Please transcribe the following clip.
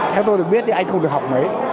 theo tôi được biết thì anh không được học mấy